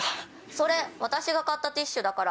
それ私が買ったティッシュだから。